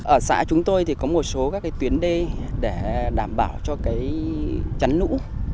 ở xã chúng tôi thì có một số các tuyến đề để đảm bảo cho tránh lũ